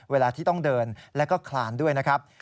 เวลาที่ต้องเดินแล้วก็คลานด้วยนะครับ